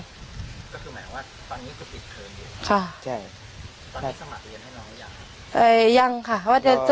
ก็คือหมายอาทารกิจวันนี้คือปิดเทิม